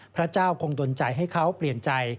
พระเจ้าคงดนใจให้เขาเปลี่ยนใจ